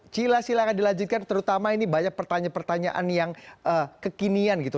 cila silahkan dilanjutkan terutama ini banyak pertanyaan pertanyaan yang kekinian gitu